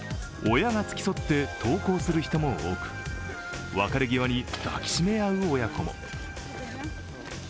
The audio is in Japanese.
親が付き添って登校する人も多く、別れ際に抱き締め合う親子も。